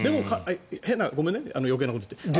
ごめんね余計なことを言って。